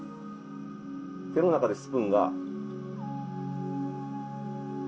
手の中でスプーンが。